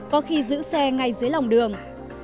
có khi giữ xe ngay dưới lòng đường